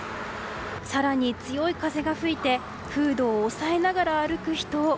更に強い風が吹いてフードを押さえながら歩く人。